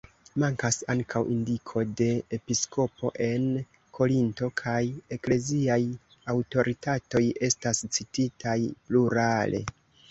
Mankas ankaŭ indiko de episkopo en Korinto, kaj ekleziaj aŭtoritatoj estas cititaj plurale.